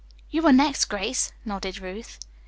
"You are next, Grace," nodded Ruth.